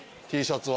Ｔシャツ